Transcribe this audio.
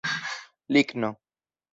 ligno